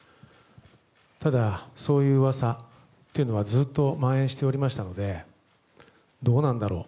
ただ、そういう噂というのはずっと蔓延しておりましたのでどうなんだろう